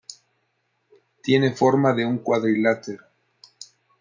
Tiene forma de un cuadrilátero.